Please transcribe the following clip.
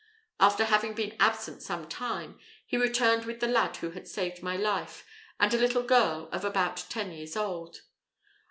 After having been absent some time, he returned with the lad who had saved my life, and a little girl of about ten years old.